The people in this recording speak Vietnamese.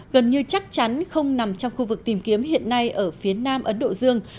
gần như chắc chắn không nằm trong khu vực tìm kiếm hiện nay ở phía nam ấn độ dương